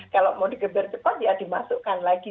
kalau mau digeber cepat ya dimasukkan lagi